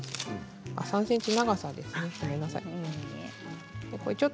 あ、３ｃｍ長さですね。